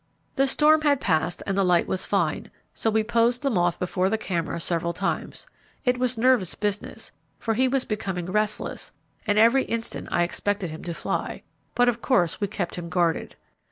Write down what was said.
The storm had passed and the light was fine, so we posed the moth before the camera several times. It was nervous business, for he was becoming restless, and every instant I expected him to fly, but of course we kept him guarded.